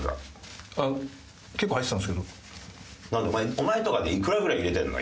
お前とかでいくらぐらい入れてるの？